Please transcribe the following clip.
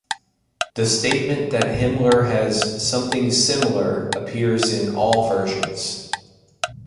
The statement that Himmler has "something sim'lar" appears in all versions.